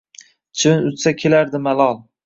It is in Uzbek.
Chivin uchsa kelardi malol